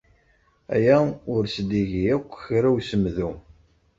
Aya ur as-d-igi akk kra n usemdu.